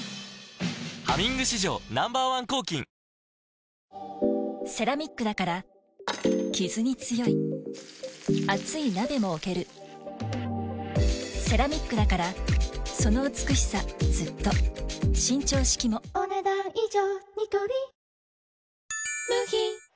「ハミング」史上Ｎｏ．１抗菌セラミックだからキズに強い熱い鍋も置けるセラミックだからその美しさずっと伸長式もお、ねだん以上。